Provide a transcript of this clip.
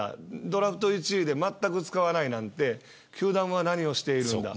ドラフト１位でまったく使わないなんて球団は何をしているんだ。